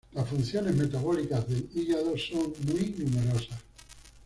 Las funciones metabólicas del hígado son muy numerosas.